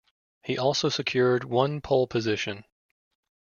He also secured one pole position.